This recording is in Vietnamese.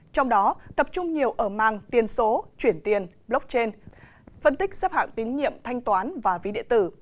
trong đó tập trung nhiều ở mang tiên số chuyển tiền blockchain phân tích xếp hạng tín nhiệm thanh toán và ví điện tử